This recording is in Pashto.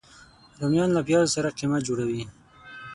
رومیان له پیازو سره قیمه جوړه وي